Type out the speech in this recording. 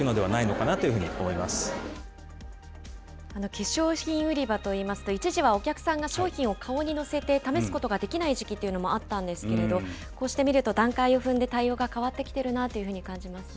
化粧品売り場といいますと、一時はお客さんが商品を顔にのせて試すことができない時期というのもあったんですけれど、こうして見ると段階を踏んで対応が変わってきてるなというふうに感じますね。